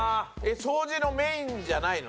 掃除のメインじゃないの？